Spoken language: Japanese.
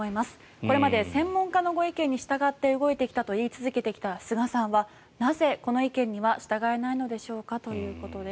これまで専門家のご意見に従って動いてきたと言い続けてきた菅さんはなぜこの意見には従えないのでしょうかということです。